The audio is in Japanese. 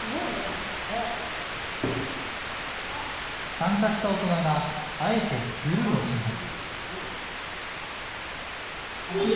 参加した大人があえてずるをします。